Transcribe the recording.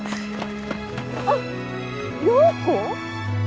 あっ良子？